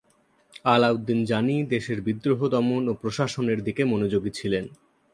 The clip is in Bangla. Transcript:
আলাউদ্দীন জানী দেশের বিদ্রোহ দমন ও প্রশাসনের দিকে মনোযোগী ছিলেন।